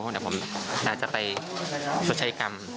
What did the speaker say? เดี๋ยวผมกำลังจะไปสุดท้ายกรรม